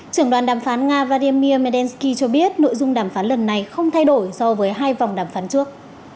trưởng đoàn đàm phán nga vladimir melsky cho biết nội dung đàm phán lần này không thay đổi so với hai vòng đàm phán trước